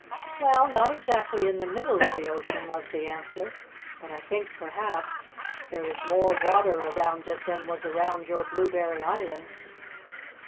"Well, not exactly in the middle of the ocean," was the answer. "But I think, perhaps, there is more water around it than was around your Blueberry Island."